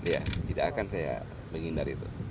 ya tidak akan saya menghindar itu